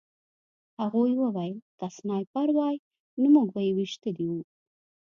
هغوی وویل که سنایپر وای نو موږ به یې ویشتلي وو